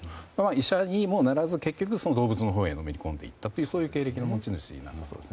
医者にもならず、動物のほうにのめりこんでいった経歴のある人物だそうです。